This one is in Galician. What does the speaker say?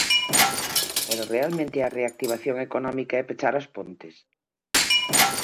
¿Pero realmente a reactivación económica é pechar As Pontes?